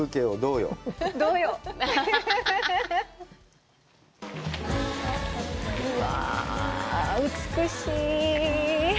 うわあ、美しい。